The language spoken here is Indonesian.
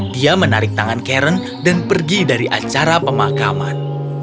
dia menarik tangan karen dan pergi dari acara pemakaman